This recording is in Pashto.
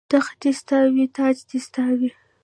تخت دې ستا وي تاج دې ستا وي